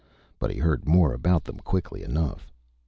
But he heard more about them quickly enough.